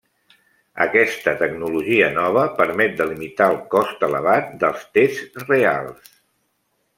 Aquesta tecnologia nova permet de limitar el cost elevat dels tests reals.